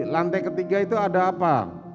lantai ketiga itu ada apa